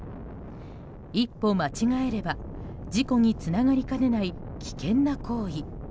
一歩間違えれば事故につながりかねない危険な行為。